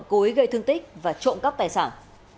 cối gây thương tích và trộm các tài sản